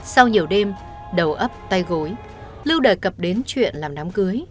sau nhiều đêm đầu ấp tay gối lưu đề cập đến chuyện làm đám cưới